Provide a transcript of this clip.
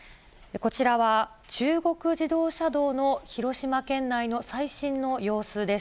こちらは中国自動車道の広島県内の最新の様子です。